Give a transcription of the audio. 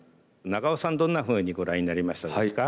長尾さんどんなふうにご覧になりましたですか？